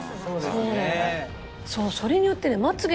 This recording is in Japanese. それによってね。